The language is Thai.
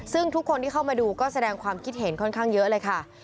ซึ่งทุกคนที่เข้ามาดูก็แสดงความคิดเห็นค่อนข้างเยอะเลยค่ะ